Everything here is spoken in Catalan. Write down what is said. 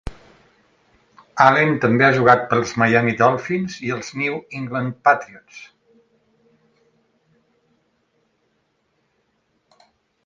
Allen també ha jugat pels Miami Dolphins i els New England Patriots.